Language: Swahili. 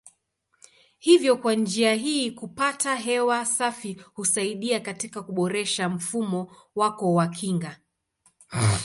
Hivyo kwa njia hii kupata hewa safi husaidia katika kuboresha mfumo wako wa kinga.